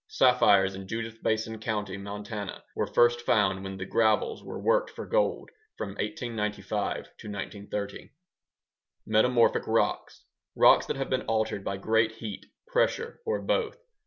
Sapphires in Judith Basin County, Montana, were first found when the gravels were worked for gold from 1895 to 1930. _Metamorphic rocks_ŌĆörocks that have been altered by great heat, pressure, or both.